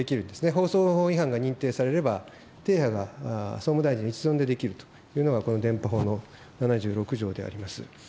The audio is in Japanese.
放送法違反が認定されれば、停波が総務大臣の一存でできるというのが、この電波法の７６条であります。